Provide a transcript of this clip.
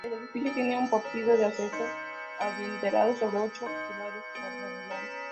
El edificio tiene un pórtico de acceso adintelado sobre ocho pilares cuadrangulares.